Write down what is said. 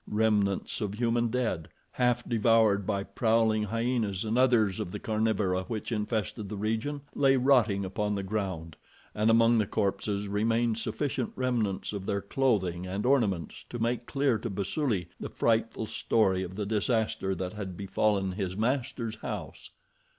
Remnants of human dead, half devoured by prowling hyenas and others of the carnivora which infested the region, lay rotting upon the ground, and among the corpses remained sufficient remnants of their clothing and ornaments to make clear to Basuli the frightful story of the disaster that had befallen his master's house.